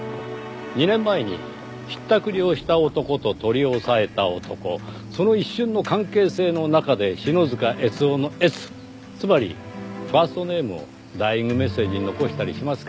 ２年前にひったくりをした男と取り押さえた男その一瞬の関係性の中で篠塚悦雄の「えつ」つまりファーストネームをダイイングメッセージに残したりしますかね？